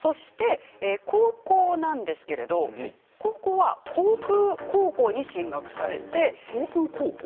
高校なんですけれど高校は航空高校に進学されて。